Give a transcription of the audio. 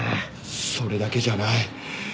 それだけじゃない。